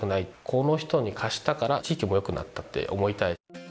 この人に貸したから地域も良くなったって思いたい。